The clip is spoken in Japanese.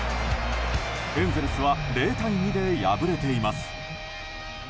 エンゼルスは０対２で敗れています。